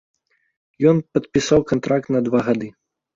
Ён падпісаў кантракт на два гады.